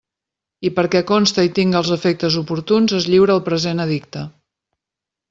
I perquè conste i tinga els efectes oportuns, es lliura el present edicte.